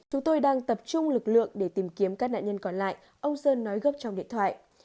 chúng tôi đang tập trung lực lượng để tìm kiếm các nạn nhân còn lại ông sơn nói gấp trong điện thoại